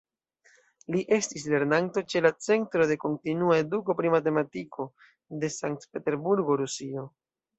Li estis lernanto ĉe la "Centro de Kontinua Eduko pri Matematiko" de Sankt-Peterburgo, Rusio.